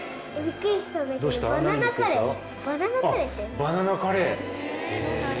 バナナカレーって？